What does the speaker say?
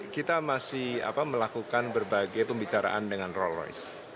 kita masih melakukan berbagai pembicaraan dengan roll royce